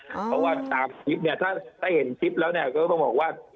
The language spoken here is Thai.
เพราะว่าตามคลิปเนี่ยถ้าเห็นคลิปแล้วเนี่ยก็ต้องบอกว่า